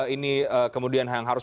ini kemudian yang harus